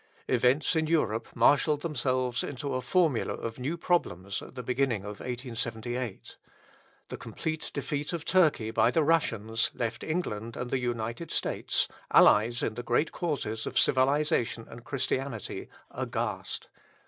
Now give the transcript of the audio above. Events in Europe marshalled themselves into a formula of new problems at the beginning of 1878. The complete defeat of Turkey by the Russians left England and the United States allies in the great causes of civilisation and Christianity aghast.